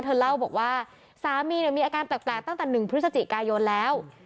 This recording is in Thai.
เธอเล่าบอกว่าสามีเนี่ยมีอาการแปลกตั้งแต่๑พฤศจิกายนแล้ว